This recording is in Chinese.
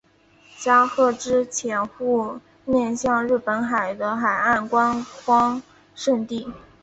加贺之潜户面向日本海的海岸观光胜地。